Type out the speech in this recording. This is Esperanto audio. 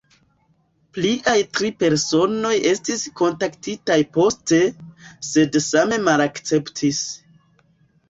Pliaj tri personoj estis kontaktitaj poste, sed same malakceptis.